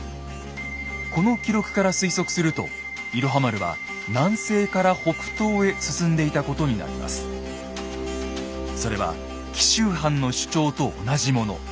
この記録から推測すると「いろは丸」は南西から北東へ進んでいたことになります。それは紀州藩の主張と同じもの。